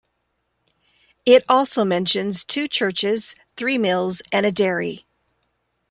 It also mentions two churches, three mills, and a dairy.